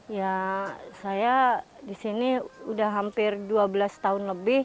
ya saya di sini udah hampir dua belas tahun lebih